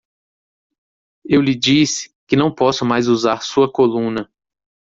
Eu lhe disse que não posso mais usar sua coluna.